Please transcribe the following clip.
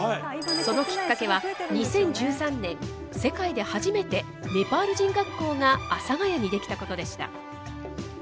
そのきっかけは、２０１３年世界で初めて、ネパール人学校が阿佐ヶ谷に出来たことでした。